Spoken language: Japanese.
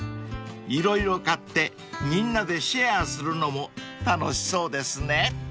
［色々買ってみんなでシェアするのも楽しそうですね］